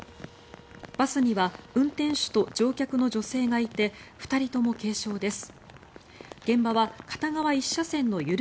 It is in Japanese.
バスには運転手と乗客の女性がいて２人とも軽傷です。